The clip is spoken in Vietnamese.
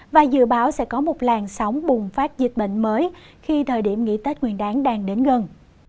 và dự báo sẽ có một làn sóng bùng phát dịch bệnh mới khi thời điểm nghỉ tết nguyên đáng đang đến gần